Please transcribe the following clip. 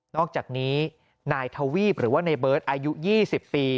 อกจากนี้นายทวีปหรือว่าในเบิร์ตอายุ๒๐ปี